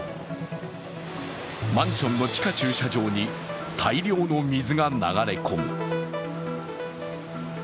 マンションの地下駐車場に大量の水が流れ込む。